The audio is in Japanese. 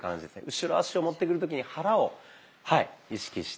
後ろ足を持ってくる時に肚を意識して。